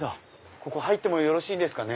ここ入ってもよろしいですかね。